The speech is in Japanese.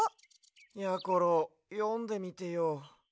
やころよんでみてよ。